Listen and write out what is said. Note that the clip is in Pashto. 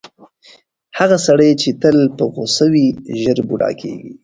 هغه سړی چې تل په غوسه وي، ژر بوډا کیږي.